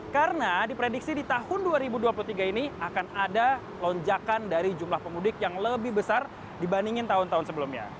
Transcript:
karena diprediksi di tahun dua ribu dua puluh tiga ini akan ada lonjakan dari jumlah pemudik yang lebih besar dibandingin tahun tahun sebelumnya